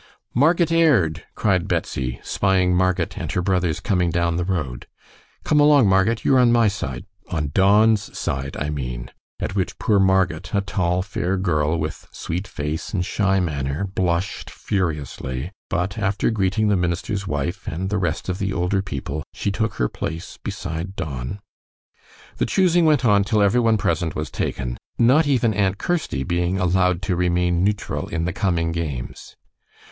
"Marget Aird!" cried Betsy, spying Marget and her brothers coming down the road. "Come along, Marget; you are on my side on Don's side, I mean." At which poor Marget, a tall, fair girl, with sweet face and shy manner, blushed furiously, but, after greeting the minister's wife and the rest of the older people, she took her place beside Don. The choosing went on till every one present was taken, not even Aunt Kirsty being allowed to remain neutral in the coming games.